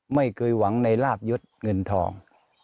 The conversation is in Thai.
ไม่เคยหวังในลาบยศเงินทอง